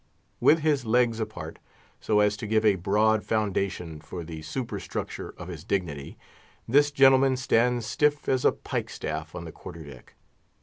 With his legs apart, so as to give a broad foundation for the superstructure of his dignity, this gentleman stands stiff as a pike staff on the quarter deck.